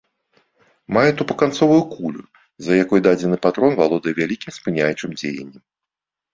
Мае тупаканцовую кулю, з-за якой дадзены патрон валодае вялікім спыняючым дзеяннем.